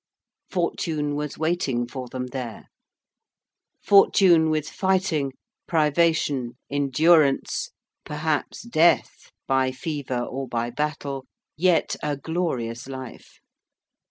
Fortune was waiting for them there: fortune with fighting, privation, endurance perhaps death by fever or by battle: yet a glorious life.